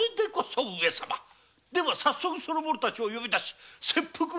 なれば早速その者たちを呼び出し切腹を。